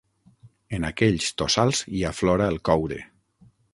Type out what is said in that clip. En aquells tossals hi aflora el coure.